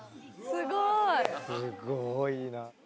すごいな！